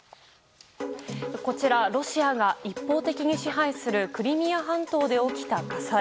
ロシアが一方的に支配するクリミア半島で起きた火災。